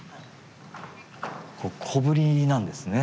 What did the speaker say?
小ぶりなんですね。